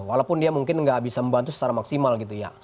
walaupun dia mungkin nggak bisa membantu secara maksimal gitu ya